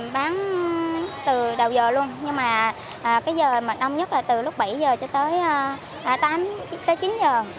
bán từ đầu giờ luôn nhưng mà cái giờ mà đông nhất là từ lúc bảy h cho tới chín h